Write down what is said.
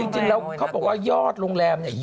จริงแล้วเขาบอกว่ายอดโรงแรมเนี่ย